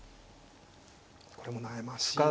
これも悩ましいですね。